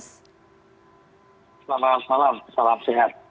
selamat malam salam sehat